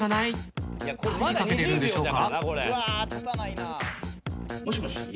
誰にかけているんでしょうか？